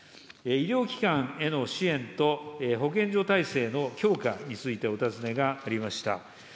医療機関への支援と保健所体制の強化についてお尋ねがありました。